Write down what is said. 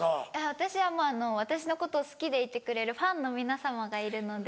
私はもう私のことを好きでいてくれるファンの皆様がいるので。